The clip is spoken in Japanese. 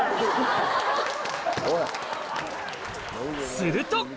すると！